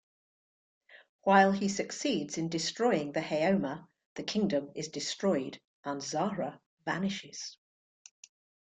While he succeeds in destroying the Haoma, the kingdom is destroyed and Zahra vanishes.